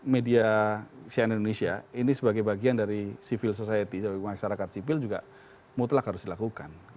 media sian indonesia ini sebagai bagian dari civil society sebagai masyarakat sipil juga mutlak harus dilakukan